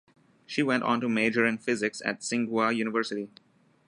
She went on to major in physics at Tsinghua University.